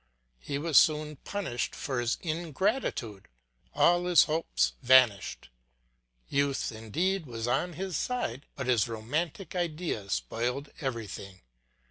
He was soon punished for this ingratitude; all his hopes vanished; youth indeed was on his side, but his romantic ideas spoiled everything.